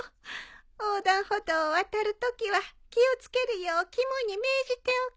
横断歩道を渡るときは気を付けるよう肝に銘じておくよ。